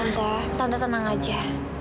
tante tante tenang aja